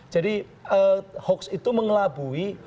jadi hoax itu mengelabui